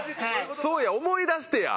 そうや思い出してや。